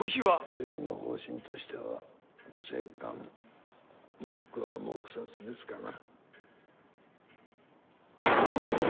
政府の方針としては静観もしくは黙殺ですかな。